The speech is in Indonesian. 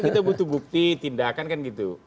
kita butuh bukti tindakan kan gitu